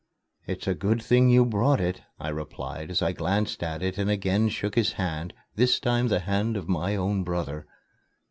"It's a good thing you brought it," I replied, as I glanced at it and again shook his hand this time the hand of my own brother.